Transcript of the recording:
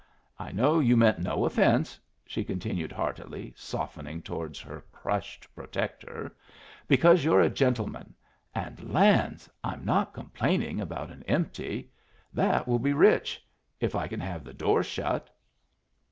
I know you meant no offense," she continued, heartily, softening towards her crushed protector, "because you're a gentleman. And lands! I'm not complaining about an empty. That will be rich if I can have the door shut."